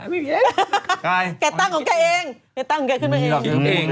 คือคนพี่นี่กอนยิง